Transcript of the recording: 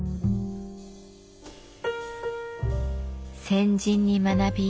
先人に学び